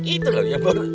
itu kan yang baru